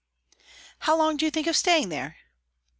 "How long do you think of staying there?"